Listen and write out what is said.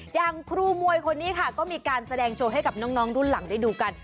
อย่างครูมวยคนนี้ค่ะก็มีการแสดงโชว์ให้กับน้องรุ่นหลังได้ดูกัน